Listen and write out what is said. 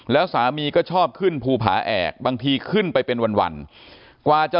แล้วสามีก็ชอบขึ้นภูผาแอกบางทีขึ้นไปเป็นวันกว่าจะ